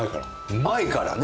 うまいからね！